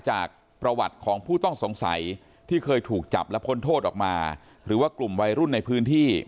จากประวัติของผู้ต้องสงสัยที่เคยถูกจับและพ้นโทษออกมาหรือว่ากลุ่มวัยรุ่นในพื้นที่